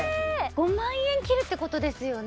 ５万円切るってことですよね？